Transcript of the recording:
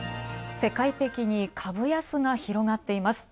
世界的に株安が広がっています。